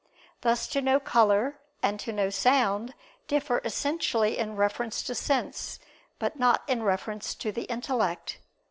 Thus to know color and to know sound, differ essentially in reference to sense, but not in reference to the intellect.